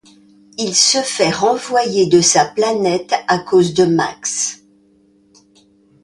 Il se fait renvoyer de sa planète à cause de Max.